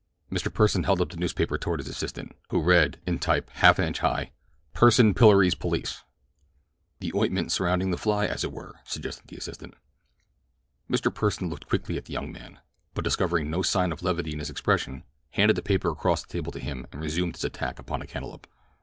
Mr. Pursen held up the newspaper toward his assistant, who read, in type half an inch high: "PURSEN PILLORIES POLICE" "The ointment surrounding the fly, as it were," suggested the assistant. Mr. Pursen looked quickly at the young man, but discovering no sign of levity in his expression, handed the paper across the table to him and resumed his attack upon the cantaloupe.